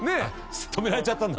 止められちゃったんだ。